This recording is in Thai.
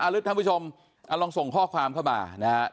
อ่าหรือทำผู้ชมอ่าลองส่งข้อความเข้ามานะฮะ